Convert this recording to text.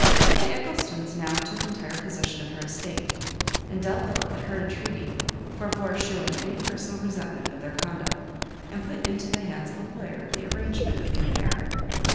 The Egglestons now took entire possession of her estate, and Delvile, at her entreaty, forbore shewing any personal resentment of their conduct, and put into the hands of a lawyer the arrangement of the affair.